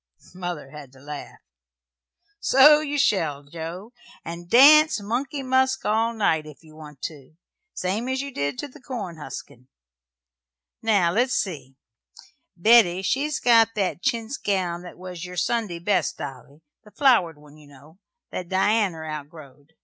Mother had to laugh. "So you shall, Joe, and dance 'Money Musk' all night, if you want to same as you did to the corn huskin'. Now, let's see. Betty, she's got that chintz gown that was your Sunday best, Dolly the flowered one, you know, that Dianner outgrowed.